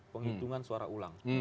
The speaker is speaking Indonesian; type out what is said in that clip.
penghitungan suara ulang